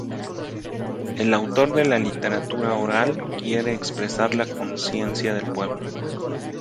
El autor de la literatura oral quiere expresar la conciencia del pueblo.